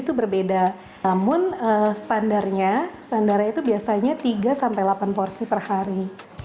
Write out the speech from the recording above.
itu berbeda namun standarnya standarnya itu biasanya tiga sampai delapan porsi per hari